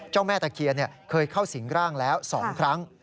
แม่ตะเคียนเคยเข้าสิงร่างแล้ว๒ครั้ง